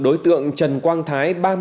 đối tượng trần quang thái